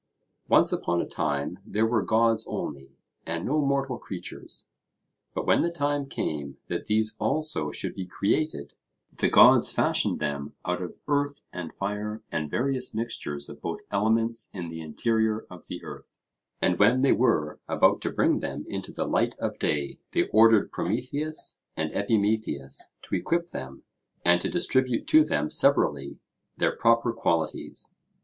Once upon a time there were gods only, and no mortal creatures. But when the time came that these also should be created, the gods fashioned them out of earth and fire and various mixtures of both elements in the interior of the earth; and when they were about to bring them into the light of day, they ordered Prometheus and Epimetheus to equip them, and to distribute to them severally their proper qualities.